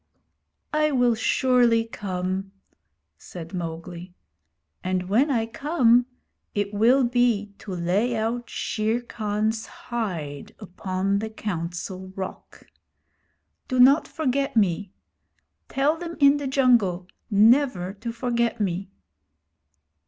'I will surely come,' said Mowgli; 'and when I come it will be to lay out Shere Khan's hide upon the Council Rock. Do not forget me! Tell them in the jungle never to forget me!'